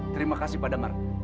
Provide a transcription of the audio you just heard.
terima kasih pak damar